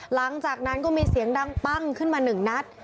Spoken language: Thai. หลังจากนั้นก็มีเสียงดังปั้งขึ้นมาหนึ่งนัด